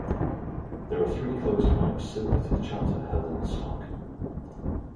These are three closed pipes, similar to the chanter, held in the stock.